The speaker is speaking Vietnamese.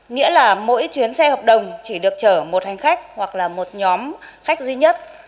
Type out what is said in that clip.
nghĩa là mỗi chuyến xe hợp đồng chỉ được chở một hành khách hoặc là một nhóm khách duy nhất